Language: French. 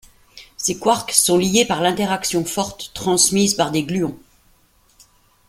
Ses quarks sont liés par l'interaction forte, transmise par des gluons.